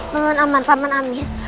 bangun aman paman amin